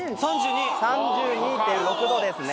３２！３２．６度ですね。